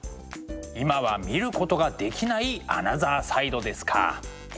今は見ることができないアナザーサイドですか。